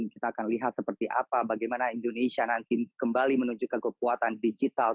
kita akan lihat seperti apa bagaimana indonesia nanti kembali menuju ke kekuatan digital